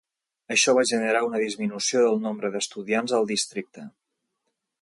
Això va generar una disminució del nombre d"estudiants al districte.